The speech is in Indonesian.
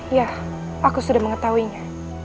ya aku sudah mengetahuinya